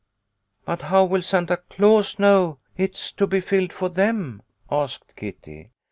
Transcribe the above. " But how will Santa Claus know it's to be filled for them ?" asked Kitty.